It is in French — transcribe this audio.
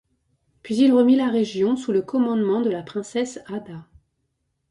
Puis il remit la région sous le commandement de la Princesse Ada.